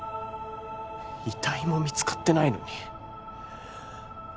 遺体も見つかってないのに。